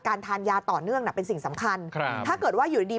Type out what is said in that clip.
ทานยาต่อเนื่องน่ะเป็นสิ่งสำคัญครับถ้าเกิดว่าอยู่ดีดี